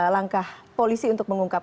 langkah polisi untuk mengungkap